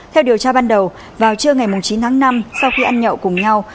theo điều tra ban đầu vào trưa ngày chín tháng năm sau khi ăn nhậu cùng nhau